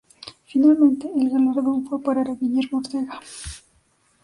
Finalmente el galardón fue a parar a Guillermo Ortega.